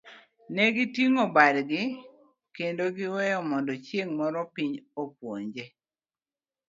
Negi ting'o badgi kendo giweye mondo chieng' moro piny opuonje.